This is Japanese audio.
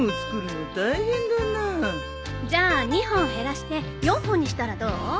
じゃあ２本減らして４本にしたらどう？